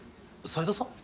斎藤さん？